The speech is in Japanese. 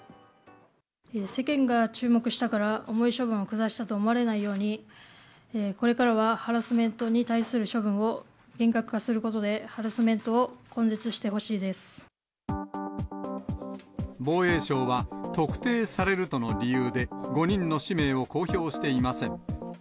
世間が注目したから重い処分を下したと思われないように、これからはハラスメントに対する処分を厳格化することで、ハラス防衛省は、特定されるとの理由で、５人の氏名を公表していません。